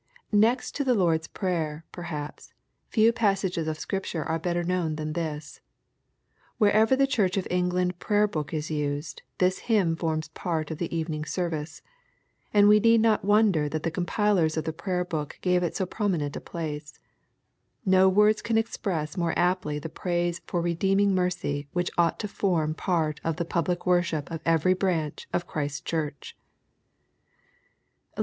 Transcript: — ^Next to the Lord's Prayer, perhaps, few passages of Scripture are better known than thisL Wherever the Church of England Prayer book is used, this hymn forms part of the evening service. And we need not wonder that the compilers of that Prayer book gave it 80 prominent a place. No words can express more aptly the praise for redeeming mercy which ought to form part of the public worship of every branch of Christ's Church.